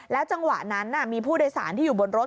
จังหวะนั้นมีผู้โดยสารที่อยู่บนรถ